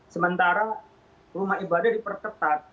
sementara rumah ibadah diperketat